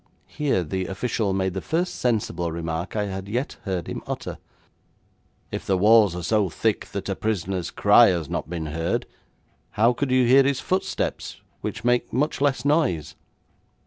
Here the official made the first sensible remark I had yet heard him utter: 'If the walls are so thick that a prisoner's cry has not been heard, how could you hear his footsteps, which make much less noise?'